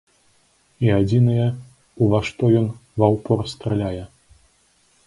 І адзінае, у ва што ён ва ўпор страляе.